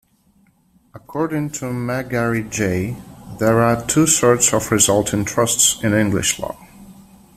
According to Megarry J there are two sorts of resulting trusts in English law.